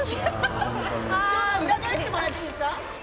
裏返してもらっていいですか？